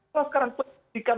kalau sekarang penyelidikan